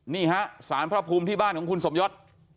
นี่ฮะสารพระภูมิที่บ้านของคุณสมยศ